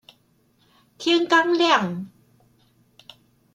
天剛亮